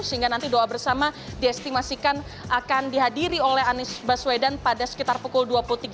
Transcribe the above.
sehingga nanti doa bersama diestimasikan akan dihadiri oleh anies baswedan pada sekitar pukul dua puluh tiga